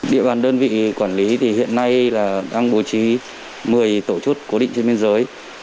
địa bàn đơn vị quản lý thì hiện nay là đang bố trí một mươi tổ chốt cố định trên biên giới